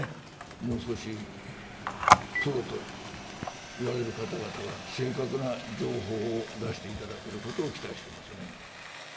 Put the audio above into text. もう少し、プロといわれる方々は、正確な情報を出していただけることを期待してますね。